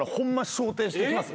掌底してきます。